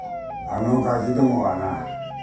あのガキどもはな